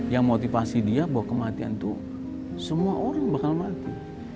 yang motivasi dia bahwa kematian itu semua orang bakal mati